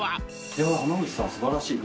・浜口さん素晴らしい。